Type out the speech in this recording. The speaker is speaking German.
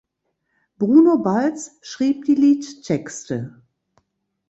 Bruno Balz schrieb die Liedtexte.